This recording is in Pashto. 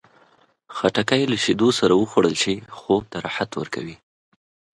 خټکی له شیدو سره وخوړل شي، خوب ته راحت ورکوي.